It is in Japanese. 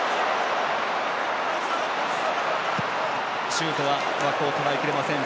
シュートは枠を捉えきれません。